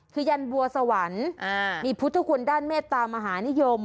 คือยันบัวสวรรค์มีพุทธคุณด้านเมตตามหานิยม